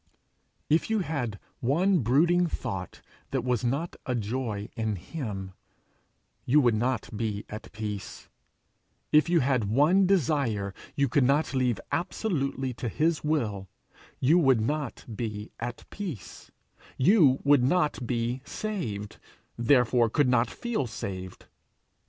If you had one brooding thought that was not a joy in him, you would not be at peace; if you had one desire you could not leave absolutely to his will you would not be at peace; you would not be saved, therefore could not feel saved.